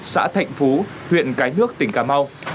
xã thạnh phú huyện cái nước tỉnh cà mau